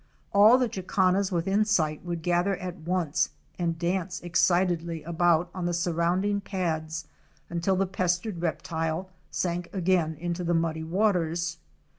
All the Jacanas within sight would gather at once and dance excitedly about on the surrounding pads until the pestered reptile sank again into the muddy waters.